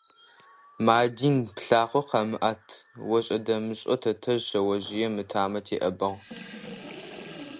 «Мадин, плъакъо къэмыӏэт»,- ошӏэ-дэмышӏэу тэтэжъ шъэожъыем ытамэ теӏэбагъ.